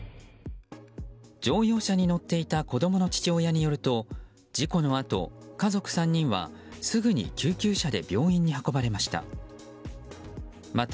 乗用車に乗っていた子供の父親によると事故のあと家族３人はすぐに救急車で病院に運ばれました。